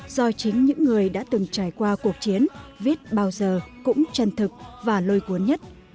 do chính những người đã từng trải qua cuộc chiến viết bao giờ cũng chân thực và lôi cuốn nhất